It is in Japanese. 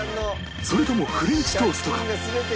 それともフレンチトーストか？